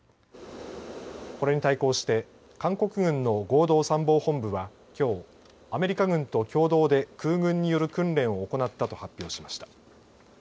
これに対抗して韓国軍の合同参謀本部はきょう、アメリカ軍と共同で空軍による訓練を行ったと発表しました。